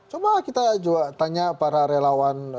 coba kita juga tanya para relawan